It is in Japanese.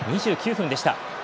２９分でした。